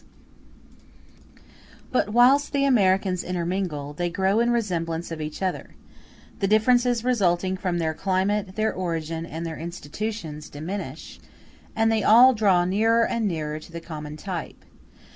] But whilst the Americans intermingle, they grow in resemblance of each other; the differences resulting from their climate, their origin, and their institutions, diminish; and they all draw nearer and nearer to the common type.